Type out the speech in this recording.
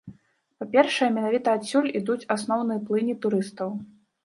Па-першае, менавіта адсюль ідуць асноўныя плыні турыстаў.